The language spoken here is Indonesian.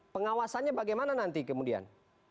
pengawasannya bagaimana nanti kemudian